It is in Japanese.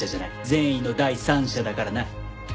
善意の第三者だからな。